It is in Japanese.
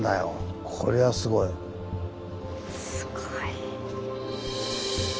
すごい。